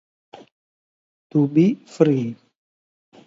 To Be Free